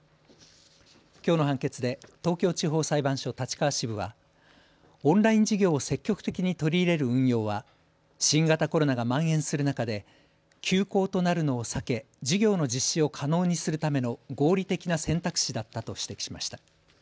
きょうの判決で東京地方裁判所立川支部は、オンライン授業を積極的に取り入れる運用は新型コロナがまん延する中で休校となるのを避け授業の実施を可能にするための合理的な選択肢だったと指摘しました。